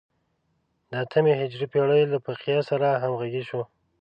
د اتمې هجري پېړۍ له فقیه سره همغږي شو.